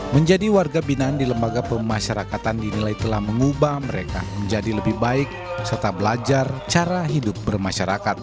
menjadi warga binaan di lembaga pemasyarakatan dinilai telah mengubah mereka menjadi lebih baik serta belajar cara hidup bermasyarakat